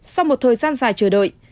sau một thời gian dài chờ đợi